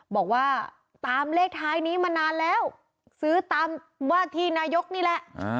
บอกว่าตามเลขท้ายนี้มานานแล้วซื้อตามว่าที่นายกนี่แหละ